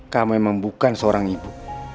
kamu memang bukan seorang ibu